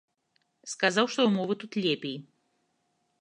Сказаў, што ўмовы тут лепей.